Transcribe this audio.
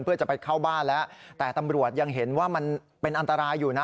เพื่อจะไปเข้าบ้านแล้วแต่ตำรวจยังเห็นว่ามันเป็นอันตรายอยู่นะ